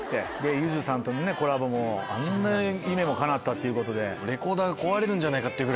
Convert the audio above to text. ゆずさんとのコラボもあんな夢もかなったということで。